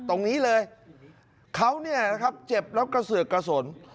ตรงนี้เลยเขาเนี่ยนะครับเจ็บแล้วกระเสือกกระสน